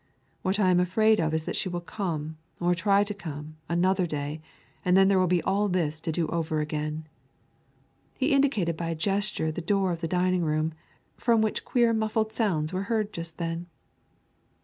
"What I am afraid of is that she will come, or try to come, another day, and then there will be all this to do over again." He indicated by a gesture the door of the dining room, from which queer muffled sounds were heard just then.